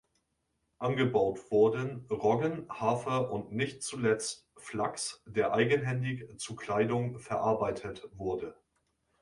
Angebaut wurden Roggen, Hafer und nicht zuletzt Flachs, der eigenhändig zu Kleidung verarbeitet wurde.